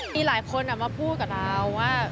มีหลายคนมาพูดกับเราว่า